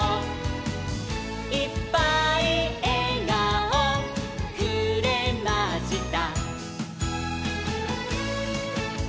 「いっぱいえがおくれました」